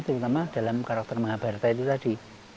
terutama dalam karakter mahabarta itu tadi